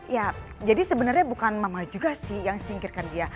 ya jadi sebenarnya bukan mama juga sih yang singkirkan dia